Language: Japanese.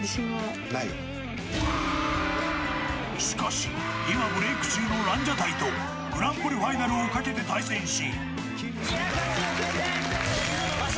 しかし、今ブレーク中のランジャタイとグランプリファイナルをかけて対戦し。